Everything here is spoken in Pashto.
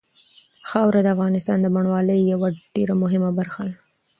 خاوره د افغانستان د بڼوالۍ یوه ډېره مهمه برخه ده.